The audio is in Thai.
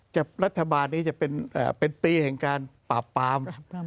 จะรัฐบาลนี้จะเป็นเอ่อเป็นปีแห่งการปราบปรามปราบปราม